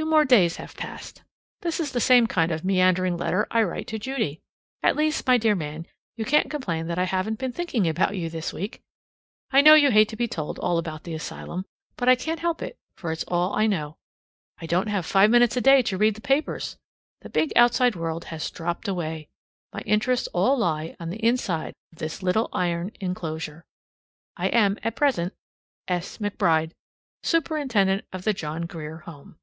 Two more days have passed; this is the same kind of meandering letter I write to Judy. At least, my dear man, you can't complain that I haven't been thinking about you this week! I know you hate to be told all about the asylum, but I can't help it, for it's all I know. I don't have five minutes a day to read the papers. The big outside world has dropped away. My interests all lie on the inside of this little iron inclosure. I am at present, S. McBRIDE, Superintendent of the John Grier Home.